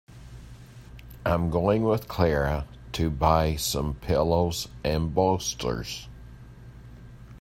I'm going with Clara to buy some pillows and bolsters.